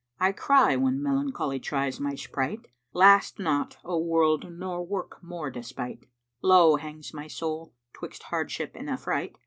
I cry when melancholy tries my sprite * Last not, O world nor work more despight; Lo hangs my soul 'twixt hardship and affright.